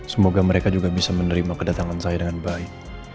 semoga mereka juga bisa menerima kedatangan saya dengan baik